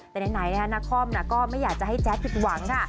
แต่ในไหนนักคล่อมก็ไม่อยากจะให้แจ๊กผิดหวังค่ะ